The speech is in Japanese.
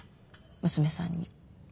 娘さんに。